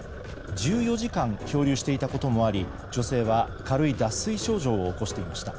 １４時間漂流していたこともあり女性は軽い脱水症状を起こしていました。